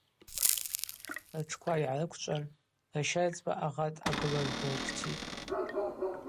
Ртшква йгӏарыквчӏван ращайцӏба агъа дъагылаз дырщтитӏ.